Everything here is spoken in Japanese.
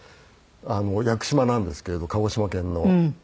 屋久島なんですけれど鹿児島県の。